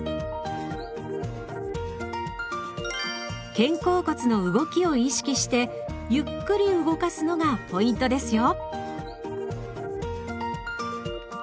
肩甲骨の動きを意識してゆっくり動かすのがポイントですよ。